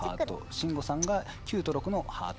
信五さんが９と６のハート。